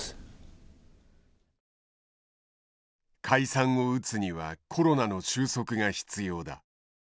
解散を打つにはコロナの収束が必要だ。